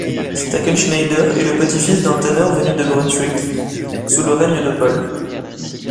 Stackenschneider est le petit-fils d'un tanneur venu du Brunswick sous le règne de Paul.